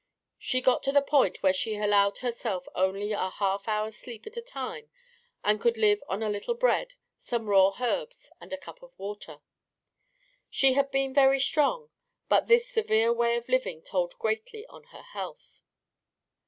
She got to the point where she allowed herself only a half hour's sleep at a time and could live on a little bread, some raw herbs, and a cup of water. She had been very strong, but this severe way of living told greatly on her health.